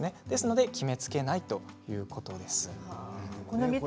ですので、決めつけないということなんだそうです。